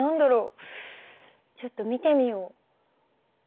ちょっと見てみよう。